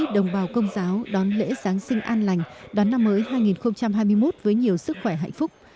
đồng bào công giáo đón lễ giáng sinh an lành đón năm mới hai nghìn hai mươi một với nhiều sức khỏe hạnh phúc